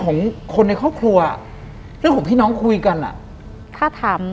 หลังจากนั้นเราไม่ได้คุยกันนะคะเดินเข้าบ้านอืม